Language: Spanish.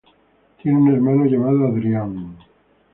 Tiene un hermano llamado Adrian.